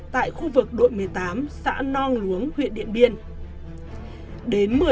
tại khu vực đội một mươi tám xã non luống huyện điện biên phủ